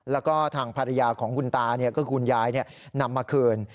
แล้วก็ทางภรรยาของคุณตาเนี่ยก็คุณย้ายเนี่ยนำมาคืน